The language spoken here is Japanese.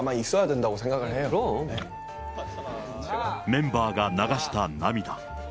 メンバーが流した涙。